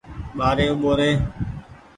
ٻآري اوٻو ري۔